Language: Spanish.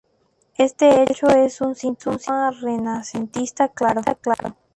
Este hecho es un síntoma renacentista claro.